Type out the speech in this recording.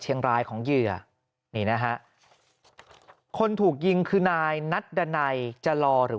เชียงรายของเหยื่อนี่นะฮะคนถูกยิงคือนายนัดดันัยจลอหรือ